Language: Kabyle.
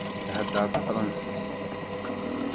Thedder tafransist.